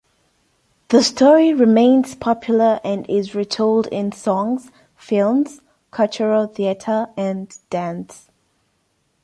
The story remains popular and is retold in songs, films, cultural theatre and dance.